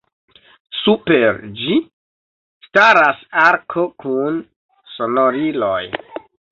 Super ĝi staras arko kun sonoriloj.